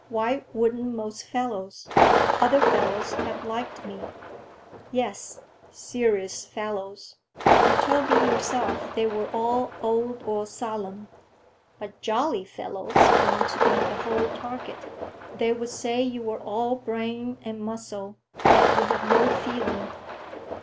"Why wouldn't most fellows? Other fellows have liked me." "Yes, serious fellows. You told me yourself they were all old, or solemn. But jolly fellows want to be the whole target. They would say you were all brain and muscle; that you have no feeling."